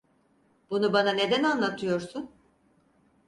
Bunu bana neden anlatıyorsun?